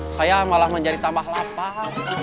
saya malah menjadi tambah lapar